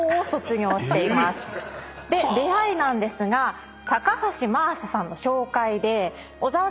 で出会いなんですが高橋真麻さんの紹介で。